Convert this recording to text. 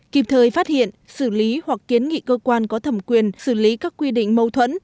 kịp thời phát hiện xử lý hoặc kiến nghị cơ quan có thẩm quyền xử lý các quy định mâu thuẫn